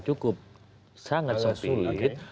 cukup sangat sempit